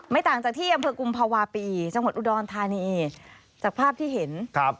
ต่างจากที่อำเภอกุมภาวะปีจังหวัดอุดรธานีจากภาพที่เห็นครับ